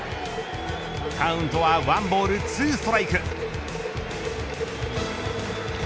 カウントは１ボール２ストライク。